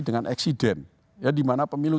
dengan eksiden ya dimana pemilu